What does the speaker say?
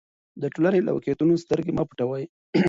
د ټولنې له واقعیتونو سترګې مه پټوئ.